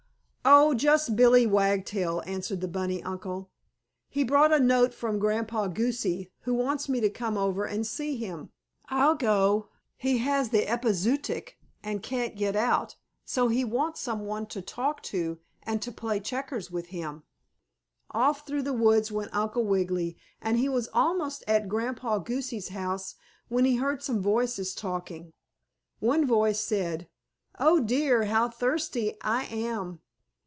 "Oh, just Billie Wagtail," answered the bunny uncle. "He brought a note from Grandpa Goosey, who wants me to come over and see him. I'll go. He has the epizootic, and can't get out, so he wants some one to talk to and to play checkers with him." Off through the woods went Uncle Wiggily and he was almost at Grandpa Goosey's house when he heard some voices talking. One voice said: "Oh, dear! How thirsty I am!"